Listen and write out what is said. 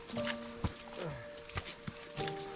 sisi kaki dulu